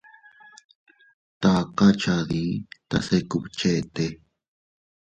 Taka cha dii tase kubchete.